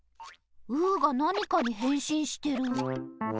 うーがなにかにへんしんしてる。